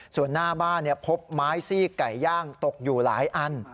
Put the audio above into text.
ส่วนหน้าบ้านพบไม้ซีกไก่ย่างตกอยู่หลายอัน